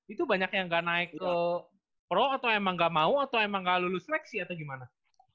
itu banyak yang nggak naik ke pro atau emang gak mau atau emang gak lulus seleksi atau gimana